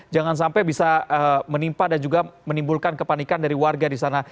jangan sampai bisa menimpa dan juga menimbulkan kepanikan dari warga di sana